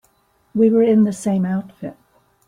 We were in the same outfit.